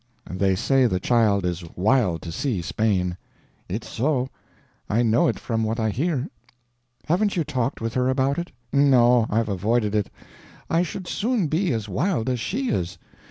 "They say the child is wild to see Spain." "It's so; I know it from what I hear." "Haven't you talked with her about it?" "No. I've avoided it. I should soon be as wild as she is.